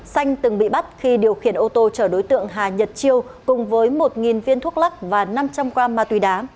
xanh từng bị bắt khi điều khiển ô tô chở đối tượng hà nhật chiêu cùng với một viên thuốc lắc và năm trăm linh g ma túy đá